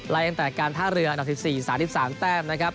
ไล่ต่างแต่การท่าเรืออันดับ๑๔๓๓แป้ม